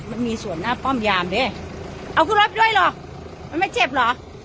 มันมีส่วนหน้าป้อมยามดิเอากูรับด้วยหรอกมันไม่เจ็บเหรอ